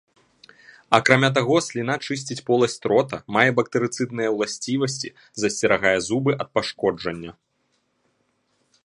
Акрамя таго, сліна чысціць поласць рота, мае бактэрыцыдныя ўласцівасці, засцерагае зубы ад пашкоджання.